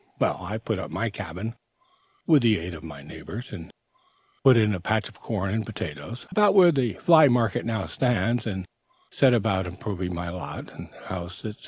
Well, I put up my cabin, with the aid of my neighbors, and put in a patch of corn and potatoes, about where the Fly Market now stands, and set about improving my lot, house, etc.